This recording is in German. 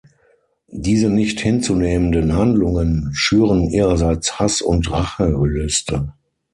Diese nicht hinzunehmenden Handlungen schüren ihrerseits Hass und Rachegelüste.